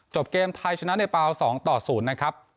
เกมไทยชนะในเปล่า๒ต่อ๐นะครับ